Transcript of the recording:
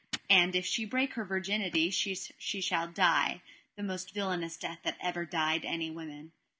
And if she break her virginity she shall die the most villainous death that ever died any woman.